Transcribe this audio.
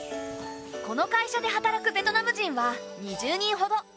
この会社で働くベトナム人は２０人ほど。